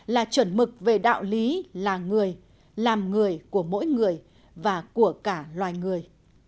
là chuẩn mực về đạo lý là người làm người của mỗi người và của cả loài người